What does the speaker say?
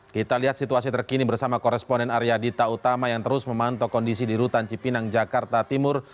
kita lihat situasi terkini bersama koresponen arya dita utama yang terus memantau kondisi di rutan cipinang jakarta timur